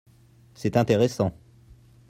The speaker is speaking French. C’est intéressant